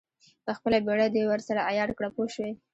خپله بېړۍ دې ورسره عیاره کړه پوه شوې!.